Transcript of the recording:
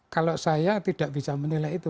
kalau saya tidak bisa menilai itu